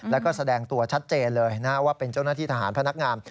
แล้วก็แสดงตัวชัดเจนเลยนะว่าเป็นเจ้าหน้าที่ทหารพนักงาม